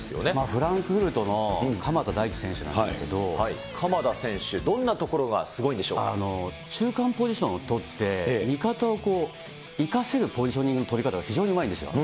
フランクフルトの鎌田大地選鎌田選手、どんなところがす中間ポジションを取って、見方を生かせるポジショニングの取り方が非常にうまいんですよ。